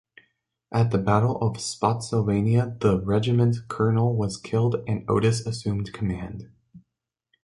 At the Battle of Spotsylvania the regiment's colonel was killed and Otis assumed command.